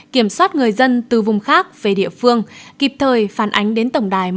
kiểm soát người dân từ vùng khác về địa phương kịp thời phản ánh đến tổng đài một nghìn hai mươi hai